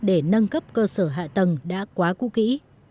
để nâng cấp cơ sở hạ tầng đã quá cũ kỹ